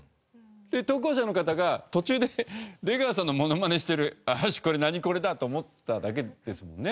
で投稿者の方が途中で「出川さんのモノマネしてるよしこれ『ナニコレ』だ」って思っただけですもんね。